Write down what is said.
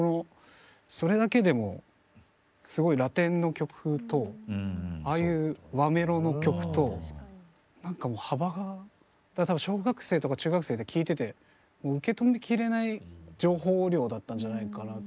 それだけでもすごいラテンの曲とああいう和メロの曲となんかもう幅がだから多分小学生とか中学生で聴いててもう受け止めきれない情報量だったんじゃないかなと思うんですけど。